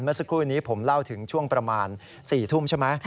เมื่อสักครู่นี้ผมเล่าถึงช่วงประมาณ๔ทุ่มใช่ไหม